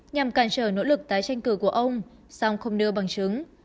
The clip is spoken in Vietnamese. nhằm cản trở nỗ lực tái tranh cử của ông song không đưa bằng chứng